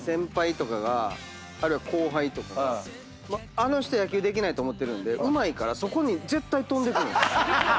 あの人野球できないと思ってうまいからそこに絶対飛んでくるんですよ。